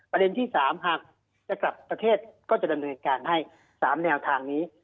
ประเด็นที่๓หากจะกลับประเทศก็จะดำเนินการให้๓แนวทางนี้